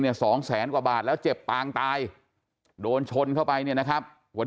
สองแสนกว่าบาทแล้วเจ็บปางตายโดนชนเข้าไปเนี่ยนะครับวัน